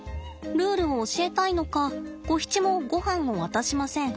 ルールを教えたいのかゴヒチもごはんを渡しません。